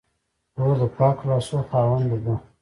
خور د پاکو لاسو خاوندې ده.